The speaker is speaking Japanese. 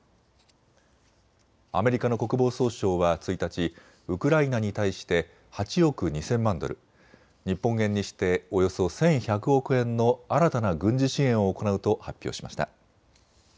アメリカの国防総省は１日、ウクライナに対して８億２０００万ドル、日本円にしておよそ１１００億円の新たな軍事支援を行うと発表しました。